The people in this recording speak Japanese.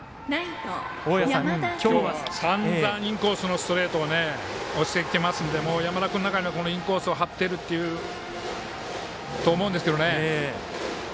今日は散々インコースのストレートで押してきてますのでもう山田君の中でもインコースを張っていると思うんですけどね。